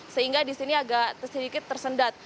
sehingga di sini agak sedikit tersendat